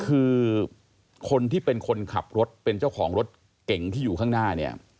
คือคนที่เป็นคนขับรถเป็นเจ้าของรถเก่งที่อยู่ข้างหน้าเนี่ย